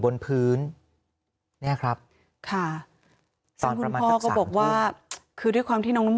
บนพื้นเนี่ยครับค่ะซึ่งคุณพ่อก็บอกว่าคือด้วยความที่น้องน้ำ